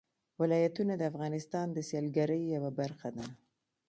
ولایتونه د افغانستان د سیلګرۍ یوه برخه ده.